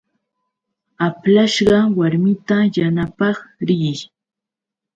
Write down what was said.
Aplashqa warmita yanapaq riy.